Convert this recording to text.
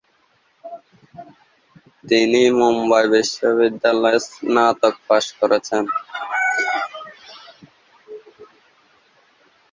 তিনি মুম্বই বিশ্ববিদ্যালয়ের স্নাতক পাশ করেছেন।